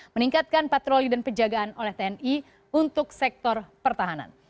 meningkatkan patroli dan penjagaan oleh tni untuk sektor pertahanan